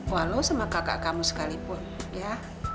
walau sama kakak kamu sekalipun ya